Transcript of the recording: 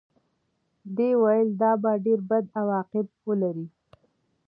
ده ویل دا به ډېر بد عواقب ولري.